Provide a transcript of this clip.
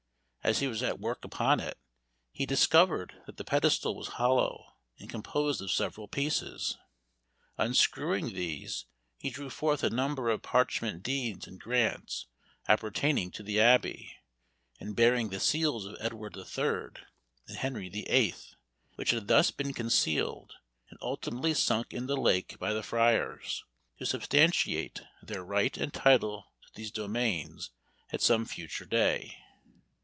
As he was at work upon it, he discovered that the pedestal was hollow and composed of several pieces. Unscrewing these, he drew forth a number of parchment deeds and grants appertaining to the Abbey, and bearing the seals of Edward III. and Henry VIII., which had thus been concealed, and ultimately sunk in the lake by the friars, to substantiate their right and title to these domains at some future day.